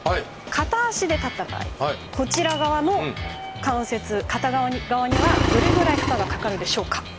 片足で立った場合こちら側の関節片側にはどれぐらい負荷がかかるでしょうか？